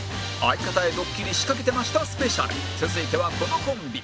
続いてはこのコンビ